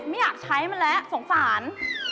ไม่อยากใช้มันแล้วสงสาร